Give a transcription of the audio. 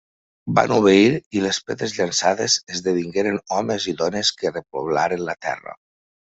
Van obeir, i les pedres llançades esdevingueren homes i dones que repoblaren la terra.